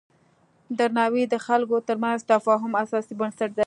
درناوی د خلکو ترمنځ د تفاهم اساسي بنسټ دی.